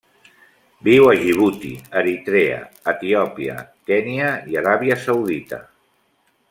Viu a Djibouti, Eritrea, Etiòpia, Kenya i Aràbia Saudita.